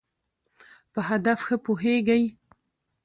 په هدف ښه پوهېږی.